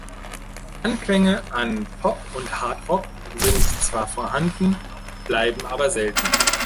Anklänge an Pop und Hard Rock sind zwar vorhanden, bleiben aber selten.